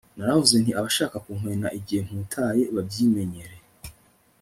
naravuze nti abashaka kunkwena igihe mputaye babyimenyere